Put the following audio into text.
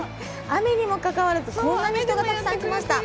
雨にもかかわらず、こんなに人がたくさん来ました。